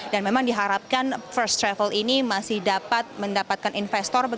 dan memang diharapkan first travel ini masih dapat mendapatkan investor